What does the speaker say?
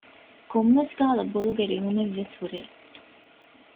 ކޮންމެވެސް ކަހަލަ ބޮލުގެ ރިހުމެއްވެސް ހުރޭ